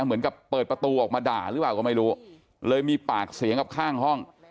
เปิดประตูออกมาด่าหรือเปล่าก็ไม่รู้เลยมีปากเสียงกับข้างห้อง